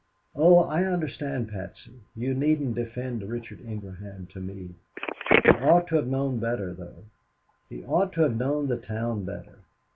"Oh, I understand, Patsy. You needn't defend Richard Ingraham to me. He ought to have known better, though. He ought to have known the town better.